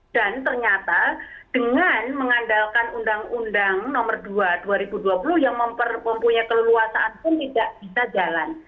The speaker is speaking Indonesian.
dan ternyata dengan mengandalkan undang undang nomor dua dua ribu dua puluh yang mempunyai keluasaan pun tidak bisa jalan